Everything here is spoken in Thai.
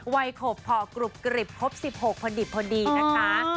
วัยเขาพอกรุบกรีบครบ๑๖ผ่อนดิบพอดีนะคะ